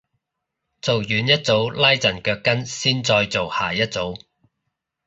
做完一組拉陣腳筋先再做下一組